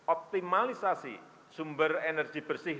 optimalisasi sumber energi bersih